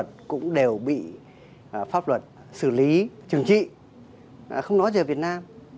các mũ pháp luật cũng đều bị pháp luật xử lý trừng trị không nói về việt nam